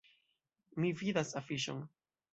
Mi vidas afiŝon.